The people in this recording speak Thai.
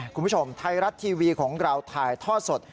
คุณผู้ชมไทยรัฐทีวีของเราถ่ายทอดสด